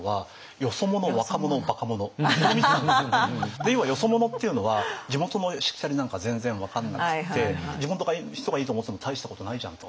で要はよそ者っていうのは地元のしきたりなんか全然分かんなくって地元の人がいいと思ってても大したことないじゃんと。